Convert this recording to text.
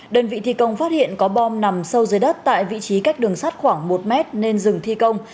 đơn vị thi công phát hiện có bom nằm sâu dưới đất tại vị trí cách đường sắt khoảng một mét nên dừng thi công